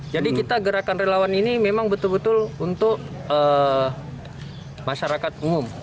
jadi kita gerakan relawan ini memang betul betul untuk masyarakat umum